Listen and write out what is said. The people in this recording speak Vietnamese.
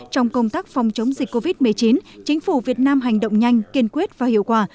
trong công tác phòng chống dịch covid một mươi chín chính phủ việt nam hành động nhanh kiên quyết và hiệu quả